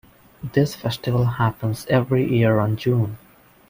This festival happens every year on June.